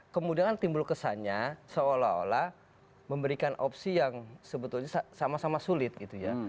kemudian timbul kesannya seolah olah memberikan opsi yang sebetulnya sama sama sulit gitu ya